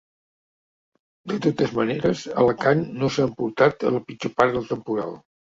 De totes maneres, Alacant no s’ha emportat la pitjor part del temporal.